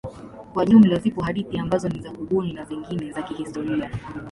Kwa jumla zipo hadithi ambazo ni za kubuni na zingine za kihistoria.